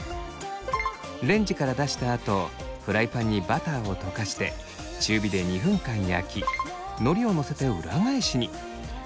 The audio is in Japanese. レンジから出したあとフライパンにバターを溶かして中火で２分間焼きのりをのせて裏返しに。